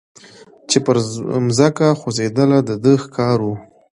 چي پر مځکه خوځېدله د ده ښکار وو